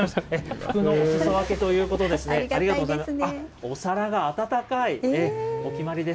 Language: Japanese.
福のおすそ分けということでですね、ありがとうございます。